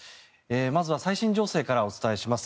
まずは最新情勢からお伝えします。